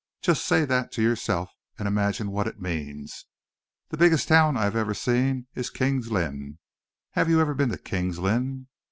Just say that to yourself, and imagine what it means. The biggest town I have ever seen is King's Lynn. Have you ever been to King's Lynn?"